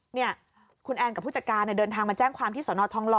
เนี่ยคุณแอนกับผู้จัดการเนี่ยเดินทางมาแจ้งความที่สนทองหล